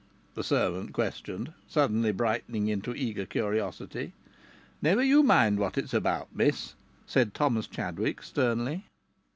the servant questioned, suddenly brightening into eager curiosity. "Never you mind what it's about, miss," said Thomas Chadwick, sternly.